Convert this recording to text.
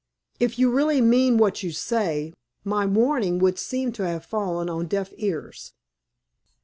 "If you really mean what you say, my warning would seem to have fallen on deaf ears."